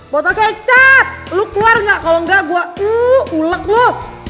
botol kecap lo keluar nggak kalau enggak gue ulek loh